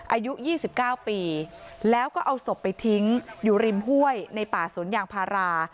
อายุยี่สิบเก้าปีเขาก็เอาศพไปทิ้งอยู่ริมห้วยในป่าศนอย่างภารา